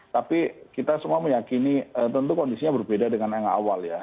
tapi kita semua meyakini tentu kondisinya berbeda dengan yang awal ya